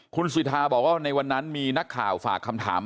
คุณสิทธาบอกว่าในวันนั้นมีนักข่าวฝากคำถาม